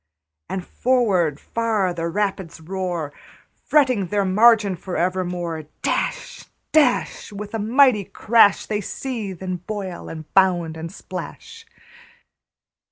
And forward far the rapids roar, Fretting their margin for evermore. Dash, dash, With a mighty crash, They seethe, and boil, and bound, and splash.